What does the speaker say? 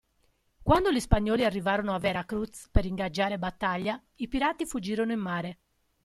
Quando gli spagnoli arrivarono a Veracruz per ingaggiare battaglia, i pirati fuggirono in mare.